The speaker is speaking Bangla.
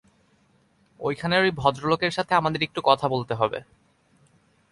ওই খানের ওই ভদ্রলোকের সাথে আমাদের একটু কথা বলতে হবে।